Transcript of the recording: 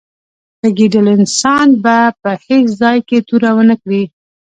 په ګیدړ انسان به په هېڅ ځای کې توره و نه کړې.